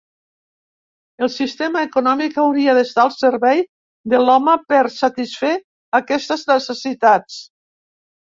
El sistema econòmic hauria d'estar al servei de l'home per satisfer aquestes necessitats.